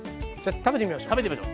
食べてみましょう。